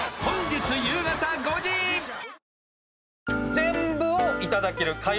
全部をいただける開運